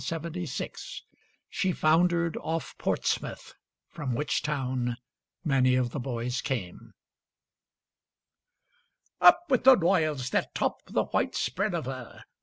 She foundered off Portsmouth, from which town many of the boys came.] Up with the royals that top the white spread of her!